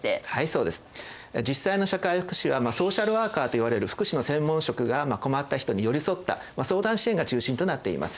実際の社会福祉はソーシャルワーカーといわれる福祉の専門職が困った人に寄り添った相談支援が中心となっています。